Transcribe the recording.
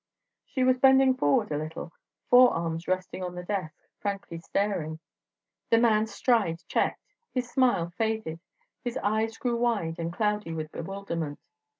She was bending forward a little, forearms resting on the desk, frankly staring. The man's stride checked, his smile faded, his eyes grew wide and cloudy with bewilderment.